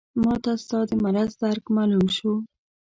ماته ستا د مرض درک معلوم شو.